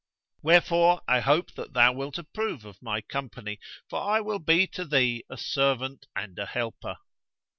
Wherefore I hope that thou wilt approve of my company, for I will be to thee a servant and a helper."